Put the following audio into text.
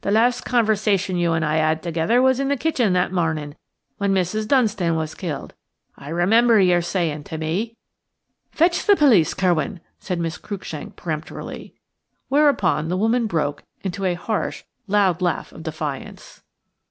"The last conversation you and I had together was in the kitchen that morning, when Mrs. Dunstan was killed. I remember your saying to me–" "Fetch the police, Curwen," said Miss Cruikshank, peremptorily. Whereupon the woman broke into a harsh and loud laugh of defiance.